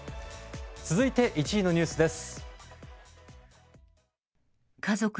続いて、１位のニュースです。